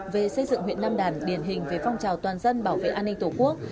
về xây dựng huyện nam đàn điển hình về phong trào toàn dân bảo vệ an ninh tổ quốc